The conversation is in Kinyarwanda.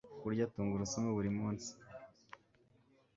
kurya tungurusumu buri munsi